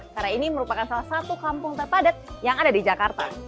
karena ini merupakan salah satu kampung terpadat yang ada di jakarta